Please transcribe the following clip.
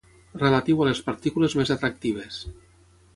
Relatiu a les partícules més atractives.